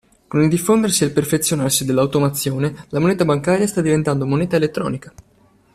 Con il diffondersi e il perfezionarsi dell'automazione la moneta bancaria sta diventando moneta elettronica.